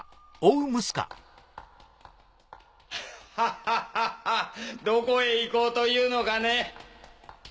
ハハハどこへ行こうというのかね。